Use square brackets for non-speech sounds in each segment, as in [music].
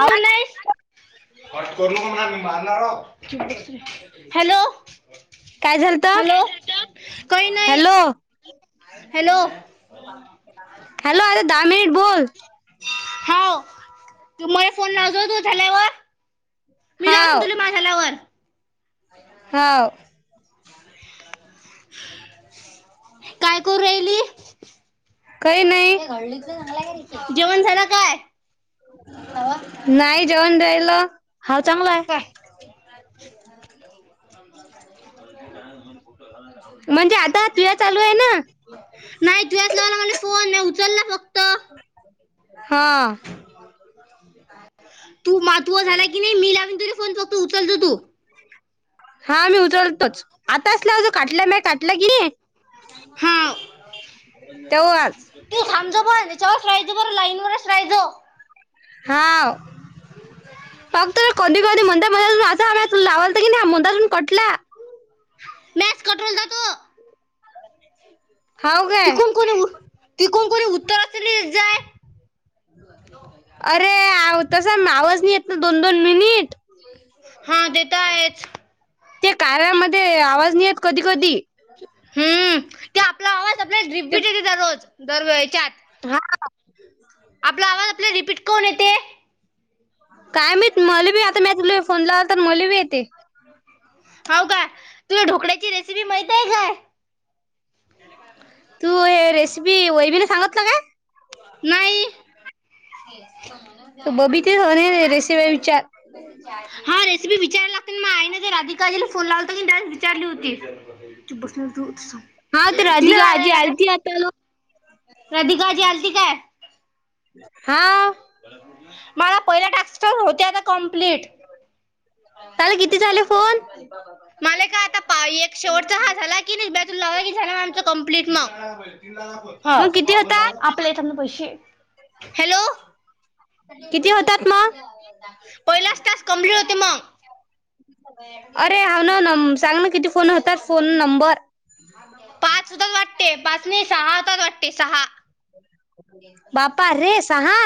आ hello काय झालत hello, कोय नही हॅलो हॅलो [unintelligible] हॅलो अरे दहा मनिट बोल. हाव तू म फोन लावजो तू झाल्यावर, मी लावीन हाव तुलं माझ झाल्यावर. हाव [inaudible] [unintelligible] काय करू राहिली? काय नाही. जेवण झालं काय नाही जेवण राहिल, हाव चांगलाय. [inaudible] काय म्हणजे आता तुया चालू हाय ना? नाही तुयास लावला मला फोन मी उचलला फक्त. हां. तू मा तूया झाला कीनई मी लावीन तुला फोन फक्त उचलतो तु. हा मी उचलतोच आतास लाव अजं काटल्या मी काटल्या की. हाव तेंव्हाच. तू थांबजो [unintelligible] हाव फक्त कधी कधी मंद [unintelligible] [unintelligible] मॅच कटवोलता तो. हाव काय तिकुन कोणी तिकुन कोणी उत्तरच दित जाय. अरे आव तसा आवाज नाही येत ना दोन दोन मिनिट. हा ते तर आहेच. ते कारामध्ये आवाज नाही येत कधी कधी. हम्म ते आपला आवाज आपल्याला रिपबिट येत दररोज दर वेळच्यात. हां. आपला आवाज आपल्याला रिपीट कोण ये काय माहित मले बी आता मी तुला फोन लावला तर मले बी येते. हाव का तुया ढोकळ्याची रेसिपी माहित आहे काय? तू हे रेसिपी वैभिला सांगीतलं काय? नाही. बबी ते रेसिपी विचार. हां रेसिपी विचारायला लागते ना माय आई न ते राधीका आजीला फोन लावता की डाय विचारली होती चूप बस ना तू हा ते राधिका [unintelligible] [unintelligible] राधिका आजी आलती काय? हा. मला पहिल्या टास्क होते आता कम्प्लीट. काल किती झाले फोन? मला का आता पाय एक शेवटचा हा झाला की नाही बून ला की झाला आमच कंप्लीट मग. हा मग किती होता? आपल्या येतना पैसे हॅलो! किती होतात मग? पहिलाच तास कम्प्लीट होते मग अरे हाव ना नम सांग ना किती फोन होतात फोन नंबर? पाच होतात वाटते पाच नाय सहा होतात वाटते सहा. बापा रे सहा?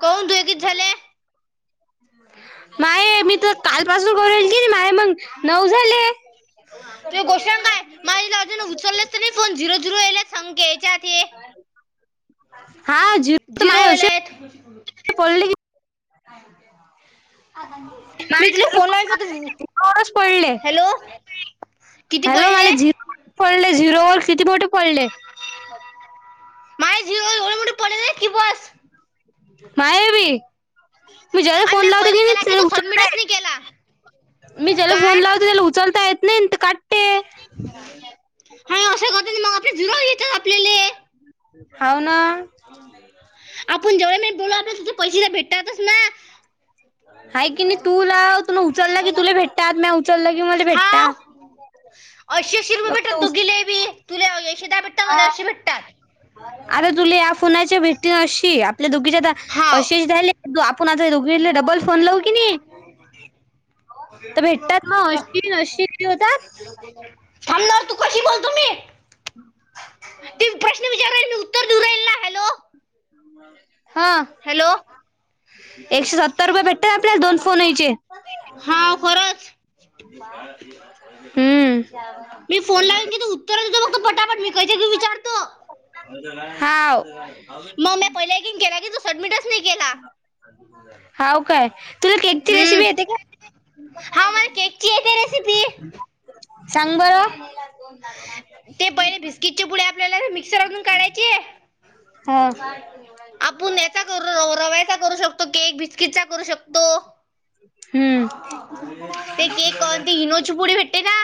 काऊन दुयगीत झाले माये मी तर कालपासून करू राहिले की माय मग नऊ झाले. तु गोषण काय माझ अजून उचलच नाही फोन झिरो झिरो याले संखक याच्यात. ते हा तर माये झिरो अशे येलेत. मी [unintelligible] तुला फोन लावेल फक्त हॅलो [unintelligible] किती हॅलो पडले. मला झिरो पडले झीरो किती मोठे पडले? काय झीरो एवढे मोठे पडलेत की बस. माहेरी तू ज्या वेळी आणि फोन मी लावतो पहिले केला की त्याला तो उचलत सबमिटच नाय. नाही केला मी ज्याला फोन काय लावते त्याला उचलता येत नाही ते काटते. हा असे कस म आपल्याला झीरो येतात आपलेले. हाव ना. आपण जेवढे मिनिट बोलू आपल्याला तिजे पैसे भेटतातच ना. हाय की नाही तुला तु उचलला की तुला भेटता म्या उचलला की मला भेटता. अंशी अंशी रुपये भेटतात उच दोघीला बी तुला अशे दहा भेटतात मला अंशी भेटतात. आर तुला या फोनाच्या भेटीन अंशी आपल्या दोघीच्या हाव अंशी झाले. आपण आता दोघिला डब्बल फोन लावू की नाही तर भेटतात मग अंशी अंशी किती होतात? [inaudible] थांबणार तू कशी बोलतो मी ती प्रश्न विचारायले [inaudible] [unintelligible] हॅलो एकशे सत्तर रुपये भेटतात आपल्याला दोन फोन यायचे. हा खरंच [inaudible] हम्म मी फोन लावून [unintelligible] पटापट विकायचे ते विचारतो. [unintelligible] हाव म मी पहिल्यान केला की तू सडमिटच नाही केला. हाव काय. तुला केकची हम्म रेसिपी येते काय? हा मला केकची येते रेसिपी सांग बरं. बिस्कीटचे पुुडे आपल्याला मिक्सरातून काढायची आहे. ह आपण याचा करू रव्याचा करू शकतो केक बिस्कीटचा करू शकतो. हम्म ते केक आन ते इनोची पुडी भेटते ना.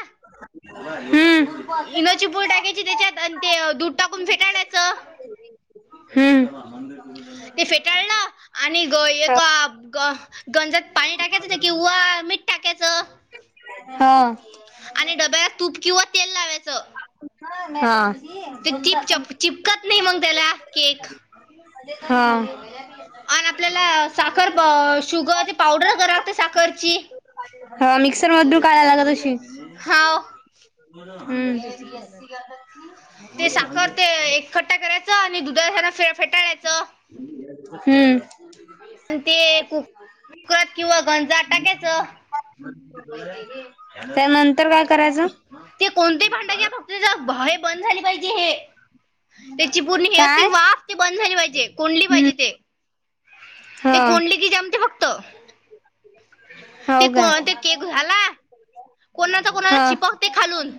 हम्म इनोची पूल टाकायची त्याच्यात आणि ते अ, दूध टाकून फेटाळ्यायच. हम्म ते फेटाळलं आणि ग हा एका ग गंजात पाणी टाकायचं किंवा मीठ टाकायचं. हा. आणि डब्यात तूप किंवा तेल लावायचं. हा. ते चिप चप चिपकत नाही मग त्याला केक. हा आण आपल्याला साखर शुगरची पावडर करालागते साखरची. हा मिक्सर मधून काढाय लागत तशी. हाव. हम्म रेसिपी [inaudible] सांगणार बीससी ते कराता साखर ती. [unintelligible] आणि दुधाच्या ह्यांन फेटाळायचं. [unintelligible] हम्म. ते कु कुकरात किंवा गंजा टाकायचं. त्या नंतर काय करायचं. ते कोणते भांडा घ्या फक्त भय बंद झाली पाहिजे हे, त्याची पूर्ण हे असते काय वाफ ते बंद झाली पाहिजे, कोडली हम्म पाहिजे ते. हा ते कोडली की जमते फक्त- ते हो को काय ते केक झाला, कोणाचा कोणाचा चिपकते खालून.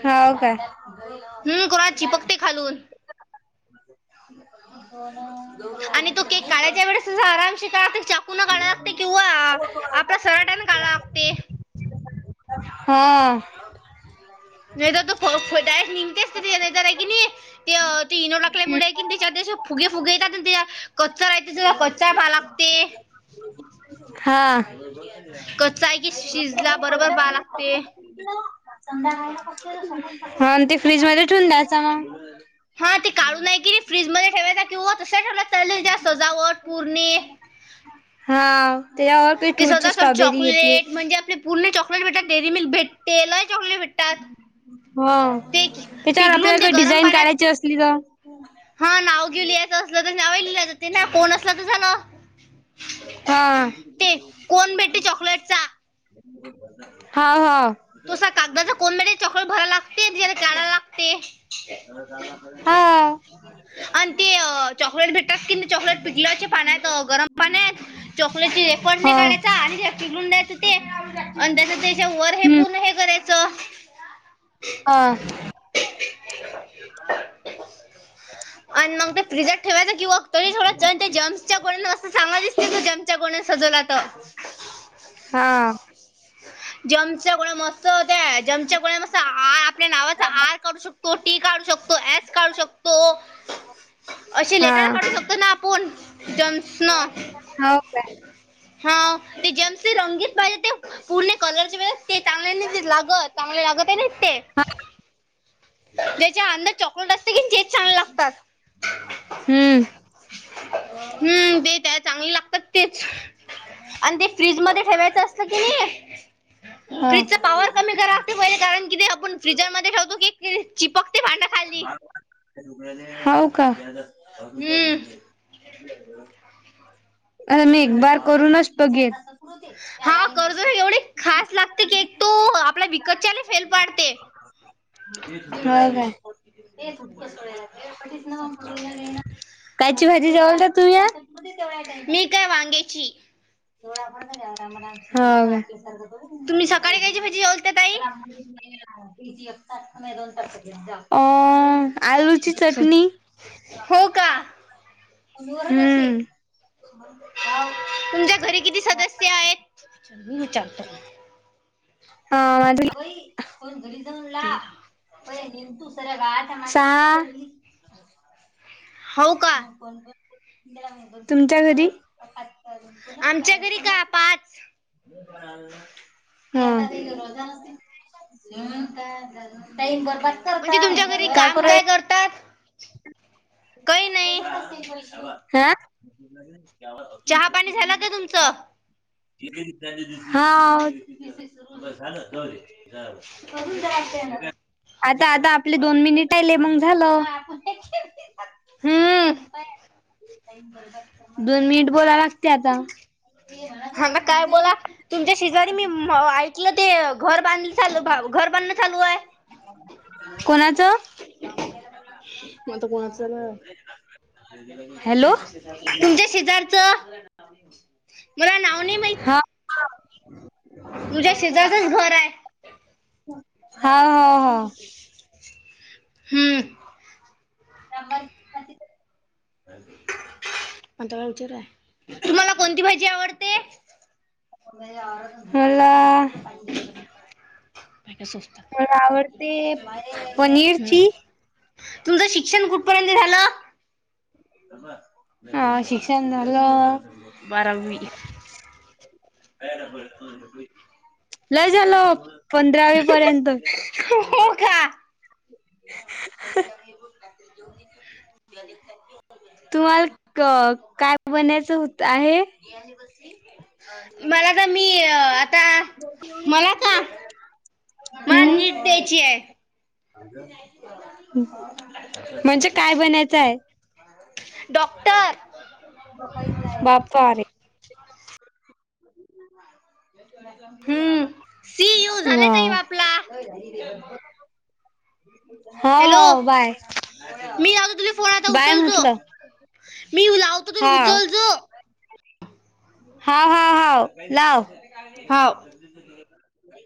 ह [inaudible] हा हो काय. हो [inaudible] हम्म कोणा चिपकटे खालून. हो ना. आणि तो केक काढयच्या वेळेस त आरामशी काढ हातात चा कुन काढवा लागते किंवा आपल्या सराट्याने काढा लागते. हा नाही तर तू निघतेच त नाही कि नाही [inaudible] ते तीन ईनो टाकल्यामुळे कि त्यांच्यात अस फुगे फुगे त तर द कच्चा राहते तु कच्चा भाग लागते. ह [inaudible] कच्चा आहे कि शिजला बरोबर पा लागते. हा ते फ्रीज मध्ये ठेवून द्यायचा मग. हा ते काढू नाही कि र फ्रीज मध्ये ठेवायचा किंवा तश ठेवायचालेल त्या सजावट पुरणे, हा त्याच्यावर काही ते ठूर सजावट स्ट्रॉबेरी येते. चॉकलेट म्हणजे आपले, पूर्ण चॉकलेट भेट डेरीमील्क भेटेते लाय चॉकलेट भेट ह त्यांच्यावर पिघलून आपल्याला ते काई गरम डिझाईन पाण्यात काढायची असली तर. हा नाव घीव लिहायचं असलं तर नाव लिहिहायचं ते ना कोण असला तर झालं. हा ते कोण भेटते चॉकलेटचा हा हा तुसा कागदाच्या कोनमध्ये चाकलेट भराव लागते जला काळा लागते. हा आणि ते चॉकलेट भेटतात की, चॉकलेट पिकल्याचे पान्यात गरम पाण्यात चॉकलेट रेफड नाही हा काढायचा आणि पिूलन द्यायचा. ते अ त्यांच्याच त्याच्या वर हे हम्म पूर्ण हे करायचं. हा अ [inaudible] ब [inaudible] आणि मग ते फ्रीजात ठेवायच किवा तोरी थोड जम्सच्यां सांगायच. जेम्स त्या गोण्या सजवलात हा जेम्सच्या गोळ्या मस्त [inaudible] जेम्सच्या गोळ्या कस आपल्या नावाचा आर काढू शकतो टी काढू शकतो एस काढू शकतो. हो अशी लेटर काढू शकतो ना आप- जम्स न हो का हा ते जेम्स रंगीत पाहिजे ते, पूर्ण कलरचे वेगळे ते चांगले नाही ते लागत चांगले लागत आहे नाही ते, जेच्या अंदर चॉकलोट असते की तेच छान लागतात. हम्म हं ते त्याला चांगली लागतात तेच, आणि ते फ्रीज मध्ये ठेवायच असतं की नाही, हा फ्रीजचा पॉवर कमी कराव लागत असते, पहिले कारण कि आपण फ्रीजरमध्ये ठेवतो की [unintelligible] चिपकते भांडा खाली हो का? हम्म अ मी एक बार करूनच बघीन [unintelligible] हा कर्ज एवढी खास लागते केक तो, आपला विकतच्या फेल पाडते. हो का [unintelligible] कायची भाजी जेवालता तूम्ही आज? [unintelligible] मी काय वांग्याची. हो काय तुम्ही सकाळी कायची भाजी जेवलता ताई [unintelligible] [unintelligible] [unintelligible] चटणी हो का, हम्म तुमच्या घरी किती सदस्य आहेत? मी विचारतो [unintelligible] तेरा [unintelligible] [unintelligible] सहा हो का मग तुमच्या घरी? आमच्या घरी का? पाच. [unintelligible] [unintelligible] म्हणजे तुमच्या घरी काम काय करतात? काही नाही हं [unintelligible] चहा पाणी झालं का तुमचं [unintelligible] हं [unintelligible] आता आता आपले दोन मिनिट राहिले, मग झालं. हम्म [unintelligible] दोन मिनिटं बोलावे लागते आता हं ना काय बोला? तुमच्या शेजारी मी ऐकलं ते घर बांध चालू घर बांधण चालू आहे. कोणाचं? मग आता कोणाचं झालं [unintelligible] हॅलो तुमच्या शेजारचं, मला नाव नाही माहित. तुमच्या शेजारचंच घर आहे [unintelligible] हा हा हा हम्म [unintelligible] आता काय विचारूया, तुम्हाला कोणती भाजी आवडते? मला काय सोचतात मला आवडते, पनीरची तुझ शिक्षण कुठपर्यंत झालं? हा शिक्षण झालं बारावी. लय झाल ओ पंधरावी पर्यंत हो का? [inaudible] तुम्हाल क-काय बनायचं हुत आहे? मला का मी अ आता मला का. मला नीट द्यायची आहे. [unintelligible] हू म्हणजे काय बनायचं आहे? डॉक्टर बाप्पा आरे. [inaudible] हम्म सी यू झाले हा! टाईम आपला. हो हॅलो हो बाय, मी लावतो तुला फोन आता बाय उचलजो. म्हतलं. मी लावतो तुला उचल जो. हा हा हा लाव! हाव!